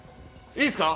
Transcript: いいっすか？